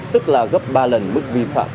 tức là gấp ba lần mức vi phạm